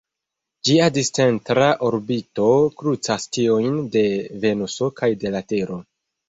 Ĝia discentra orbito krucas tiujn de Venuso kaj de la Tero.